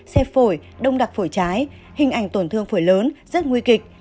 xe phổi đông đặc phổi trái hình ảnh tổn thương phổi lớn rất nguy kịch